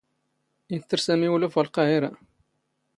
ⵉⵜⵜⵔ ⵙⴰⵎⵉ ⵓⵍⵓⴼ ⴳ ⵍⵇⴰⵀⵉⵔⴰ.